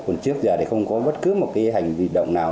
còn trước giờ thì không có bất cứ hành vi động nào